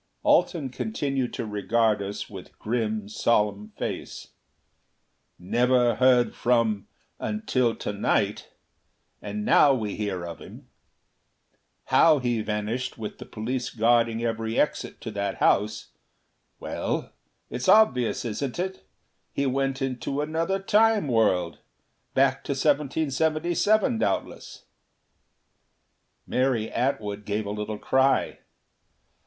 Alten continued to regard us with grim, solemn face. "Never heard from until to night. And now we hear of him. How he vanished, with the police guarding every exit to that house well, it's obvious, isn't it? He went into another Time world. Back to 1777, doubtless." Mary Atwood gave a little cry.